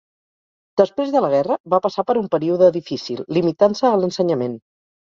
Després de la guerra, va passar per un període difícil, limitant-se a l'ensenyament.